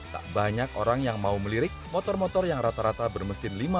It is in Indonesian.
tak banyak orang yang mau melirik motor motor yang rata rata bermesin lima